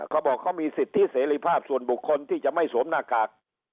เขาบอกเขามีสิทธิเสรีภาพส่วนบุคคลที่จะไม่สวมหน้ากาก